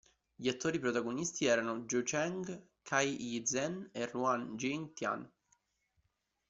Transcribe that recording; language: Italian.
Gli attori protagonisti erano Joe Cheng, Cai Yi Zhen e Ruan Jing Tian.